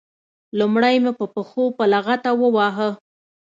لومړی مې په پښو په لغته وواهه.